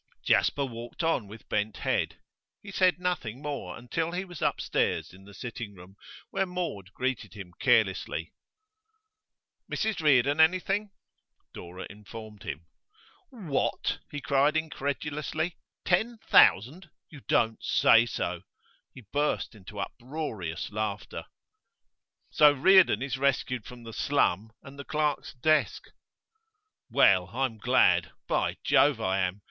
Jasper walked on with bent head. He said nothing more until he was upstairs in the sitting room, where Maud greeted him carelessly. 'Mrs Reardon anything?' Dora informed him. 'What?' he cried incredulously. 'Ten thousand? You don't say so!' He burst into uproarious laughter. 'So Reardon is rescued from the slum and the clerk's desk! Well, I'm glad; by Jove, I am.